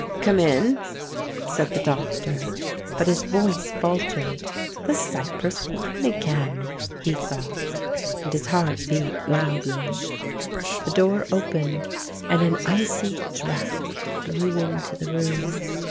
"Come in," said the Doctor, but his voice faltered ("the Cyprus wine again!" he thought), and his heart beat loudly. The door opened and an icy draught blew into the room.